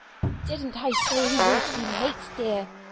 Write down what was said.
"Didn't I say we were to be mates, dear?"